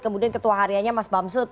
kemudian ketua hariannya mas bamsud